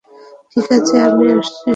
ঠিক আছে, আমি আসছি।